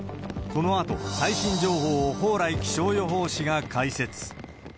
このあと、最新情報を蓬莱気象予報士が解説。